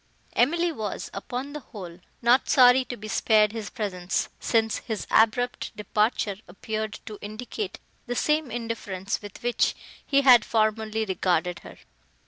Emily was, upon the whole, not sorry to be spared his presence, since his abrupt departure appeared to indicate the same indifference, with which he had formerly regarded her.